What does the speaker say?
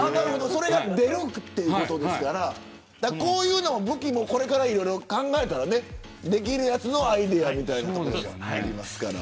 それが出るということですからこういう武器もこれから考えたらできるやつのアイデアみたいなことになりますから。